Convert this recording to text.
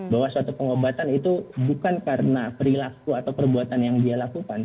bahwa suatu pengobatan itu bukan karena perilaku atau perbuatan yang dia lakukan